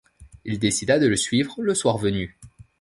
Il décida de le suivre le soir venu.